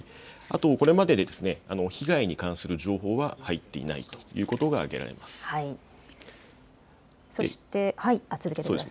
これまで被害に関する情報は入っていないということが挙げられます。